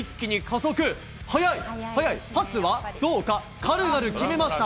速い、速い、パスはどうか、軽々決めました。